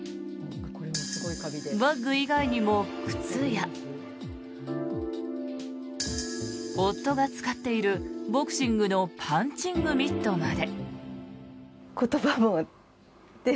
バッグ以外にも、靴や夫が使っている、ボクシングのパンチングミットまで。